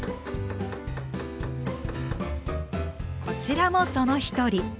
こちらもその一人。